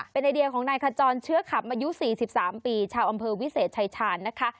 เป็นไอเดียของนายขจรเชื้อขับอายุ๔๓ปีชาวอำเภอวิเศษชายชาญนะคะ